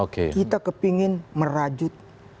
kita kepingin merajut